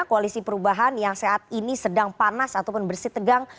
koalisi perubahan yang saat ini sedang panas ataupun bersih tegang